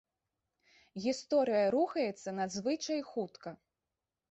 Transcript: Гісторыя рухаецца надзвычай хутка.